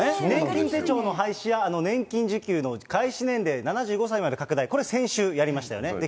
年金手帳の廃止や年金受給の開始年齢７５歳まで拡大、これ先週やりましたよね。